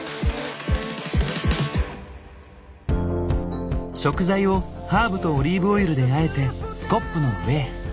なんと食材をハーブとオリーブオイルであえてスコップの上へ。